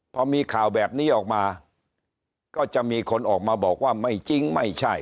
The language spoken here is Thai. พอมีข่าวแบบนี้ออกมาก็จะมีคนออกมาบอกว่าไม่จริงไม่ใช่